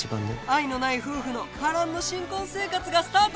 愛のない夫婦の波乱の新婚生活がスタート